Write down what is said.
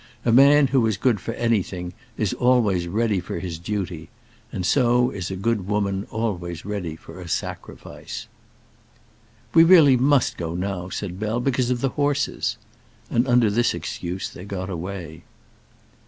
A man who is good for anything is always ready for his duty, and so is a good woman always ready for a sacrifice. "We really must go now," said Bell, "because of the horses." And under this excuse they got away.